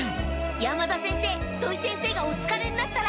山田先生土井先生がおつかれになったら。